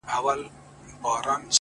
ددې سايه به ‘پر تا خوره سي’